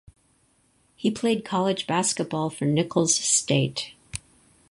He played college basketball for Nicholls State.